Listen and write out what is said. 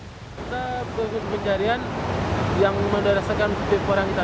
pembelajaran yang diperlukan adalah pencarian yang diperlukan oleh pemerintah